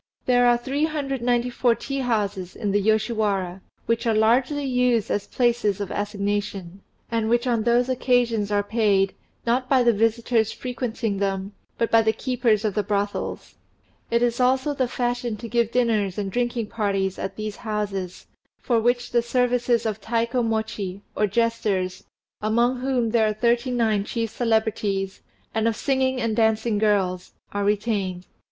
There are 394 tea houses in the Yoshiwara, which are largely used as places of assignation, and which on those occasions are paid, not by the visitors frequenting them, but by the keepers of the brothels. It is also the fashion to give dinners and drinking parties at these houses, for which the services of Taikomochi, or jesters, among whom there are thirty nine chief celebrities, and of singing and dancing girls, are retained.